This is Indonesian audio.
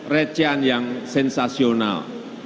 ratchian yang sensasional